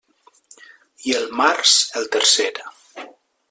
I el març, el tercer.